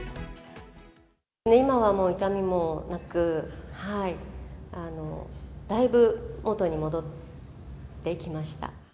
今はもう痛みもなく、だいぶ元に戻ってきました。